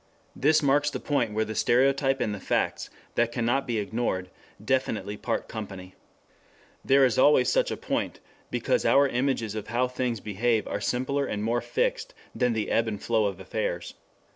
This marks the point where the stereotype and the facts, that cannot be ignored, definitely part company. There is always such a point, because our images of how things behave are simpler and more fixed than the ebb and flow of affairs.